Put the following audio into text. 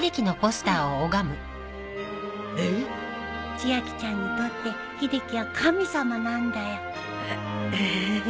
ちあきちゃんにとって秀樹は神様なんだよ。へへえ。